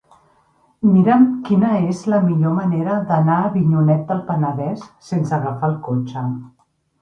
Mira'm quina és la millor manera d'anar a Avinyonet del Penedès sense agafar el cotxe.